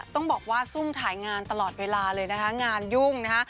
ต้องบอกว่าซุ่มถ่ายงานตลอดเวลาเลยนะคะงานยุ่งนะคะ